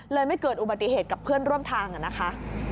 ไม่เกิดอุบัติเหตุกับเพื่อนร่วมทางนะคะ